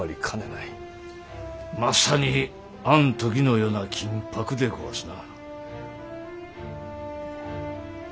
まさにあん時のような緊迫でごわすな。